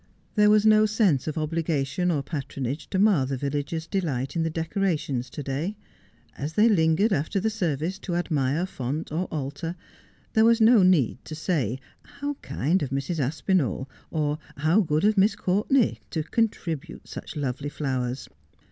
There was no sense of obligation or patronage to mar the villagers' delight in the decorations to day. As they lingered after the service to admire font or altar there was no need to say, ' How kind of Mrs. Aspinall,' or ' How good of Miss Courtenay to contribute such lovely flowers